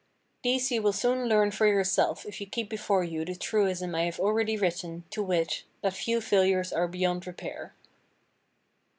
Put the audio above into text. These you will soon learn for yourself if you keep before you the truism I have already written, to wit, that few failures are beyond repair.